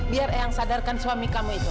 biar yang sadarkan suami kamu itu